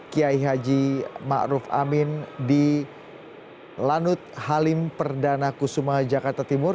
kiai haji ma'ruf amin di lanut halim perdana kusuma jakarta timur